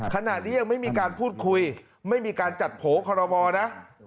ขณะนี้ยังไม่มีการพูดคุยไม่มีการจัดโผลกอลโลมอภิษฐานนะ